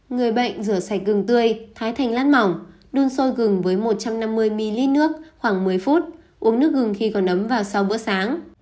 người bệnh rửa sạch gừng tươi thái thành lát mỏng đun sôi gừng với một trăm năm mươi ml nước khoảng một mươi phút uống nước gừng khi còn ấm vào sau bữa sáng